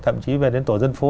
thậm chí về đến tổ dân phố